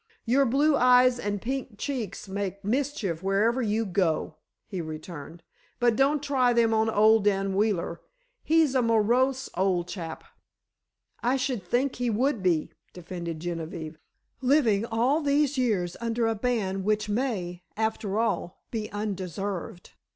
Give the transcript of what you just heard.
"Your blue eyes and pink cheeks make mischief wherever you go," he returned; "but don't try them on old Dan Wheeler. He's a morose old chap——" "I should think he would be!" defended Genevieve; "living all these years under a ban which may, after all, be undeserved!